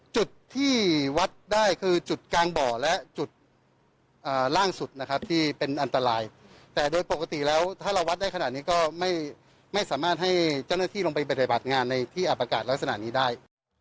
จุดที่วัดได้คือจุดกลางบ่อและจุดล่างสุดนะครับที่เป็นอันตรายแต่โดยปกติแล้วถ้าเราวัดได้ขนาดนี้ก็ไม่สามารถให้เจ้าหน้าที่ลงไปปฏิบัติงานในที่อับอากาศลักษณะนี้ได้